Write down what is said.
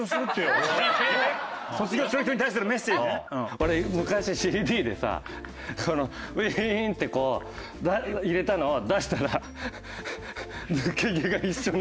俺昔ＣＤでさウィーンってこう入れたのを出したら。